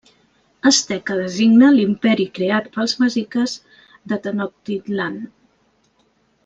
Asteca designa l'imperi creat pels mexiques de Tenochtitlán.